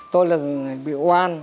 tôi là người bị oan